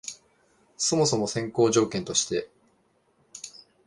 そもそも先行条件として、